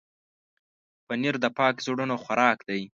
پنېر د پاک زړونو خوراک دی.